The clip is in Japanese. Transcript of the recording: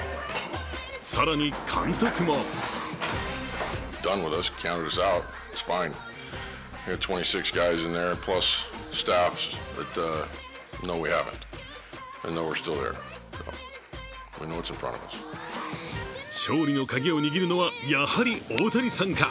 更に監督も勝利のカギを握るのはやはり大谷さんか。